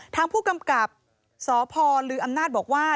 ทางผู้กำกับสพลืออำนาจบอกว่า